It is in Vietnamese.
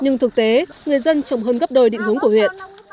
nhưng thực tế người dân trồng hơn gấp đôi định hướng của huyện